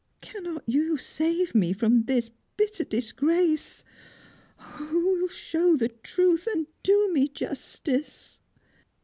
Cannot you save me from this bitter disgrace? Oh, who will show the truth and do me justice?"